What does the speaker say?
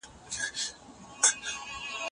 هرې غمجنې پېښې به زه خفه کولم.